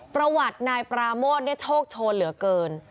ประวัตินายปราโมทโชคโชนเหลือเกิน